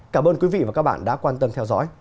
cảm ơn quý vị và các bạn đã quan tâm theo dõi